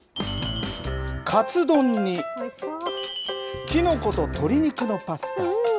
カツ丼にキノコと鶏肉のパスタ。